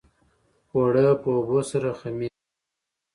اوړه په اوبو سره خمیر کېږي